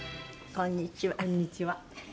こんにちは。